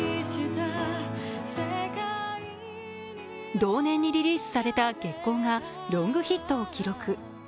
同年にリリースされた「月光」がロングヒットを記録。